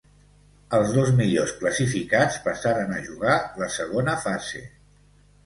Els dos millors classificats passaren a jugar la segona fase.